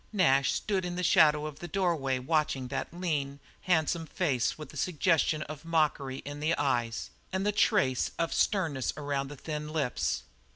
Nash stood in the shadow of the doorway watching that lean, handsome face with the suggestion of mockery in the eyes and the trace of sternness around the thin lips.